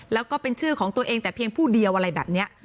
แล้วก็เป็นชื่อของตัวเองแต่เพียงผู้เดียวอะไรแบบนี้